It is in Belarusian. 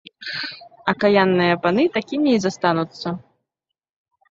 Акаянныя паны такімі і застануцца.